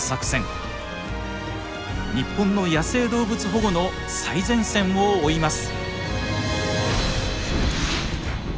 日本の野生動物保護の最前線を追います。